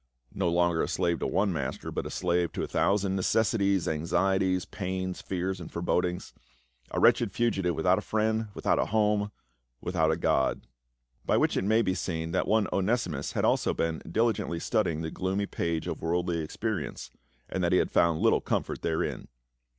" No longer a slave to one ma.ster, but a slave to a thousand necessities, an.xieties, pains, fears and forebodings ; a wretched fugitive without a friend, without a home, without a God." By which it may be seen that One simus had also been diligently studying the gloomy A STRANGER IN ATHENS. 333 page of worldly experience, and that he had found little comfort therein.